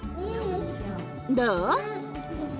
どう？